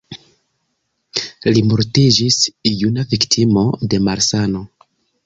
Li mortiĝis juna, viktimo de malsano.